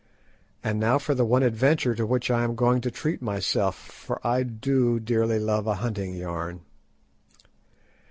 And now for the one adventure to which I am going to treat myself, for I do dearly love a hunting yarn.